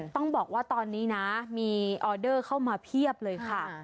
ต้องบอกว่าตอนนี้นะมีออเดอร์เข้ามาเพียบเลยค่ะ